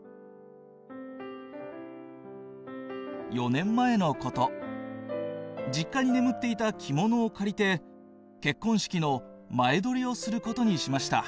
「４年前のこと、実家に眠っていた着物を借りて、結婚式の前撮りをすることにしました。